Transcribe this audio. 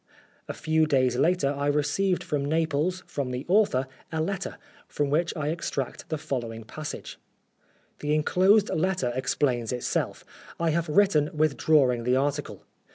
A few days later I received from Naples, from the author, a letter, from which I extract the following passage :" The enclosed letter explains itself. I have written withdrawing the article.